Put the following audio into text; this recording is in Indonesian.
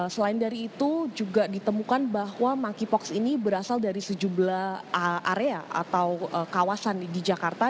selain dari itu juga ditemukan bahwa monkeypox ini berasal dari sejumlah area atau kawasan di jakarta